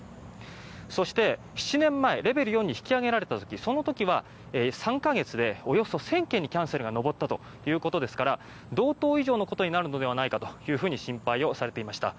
そして、７年前レベル４に引き上げられたその時は、３か月でおよそ１０００件にキャンセルが上ったということですから同等以上のことになるのではないかと心配されていました。